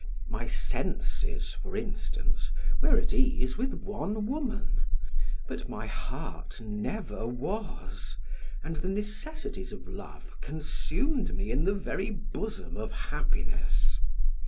My senses, for instance, were at ease with one woman, but my heart never was, and the necessities of love consumed me in the very bosom of happiness.